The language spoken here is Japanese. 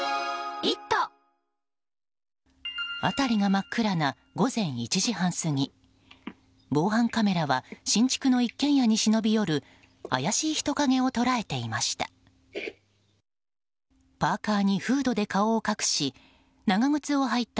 辺りが真っ暗な午前１時半過ぎ防犯カメラは新築の一軒家に忍び寄る怪しい人影を捉えていました。